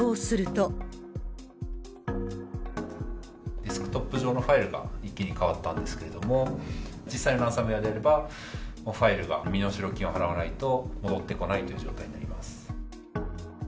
デスクトップ上のファイルが一気に変わったんですけれども、実際のランサムウエアであれば、ファイルが身代金を払わないと戻ってこないという状態になります。